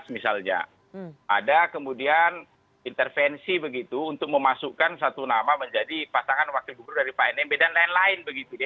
misalnya ada kemudian intervensi begitu untuk memasukkan satu nama menjadi pasangan wakil gubernur dari pak nmb dan lain lain begitu dia